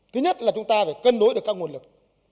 thứ nhất là chúng ta phải cân đối được các nguồn lực